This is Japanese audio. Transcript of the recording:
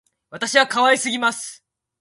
私は可愛すぎます